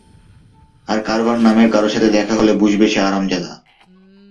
আর Carver নামের কারো সাথে দেখা হলে, বুঝবে সে হারামজাদা।